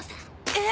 えっ？